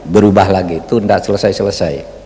berubah lagi itu tidak selesai selesai